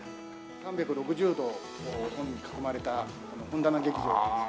３６０度本に囲まれた本棚劇場なんですけども。